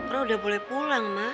roh udah boleh pulang mak